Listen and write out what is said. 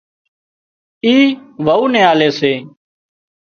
اي وئو نين آلي سي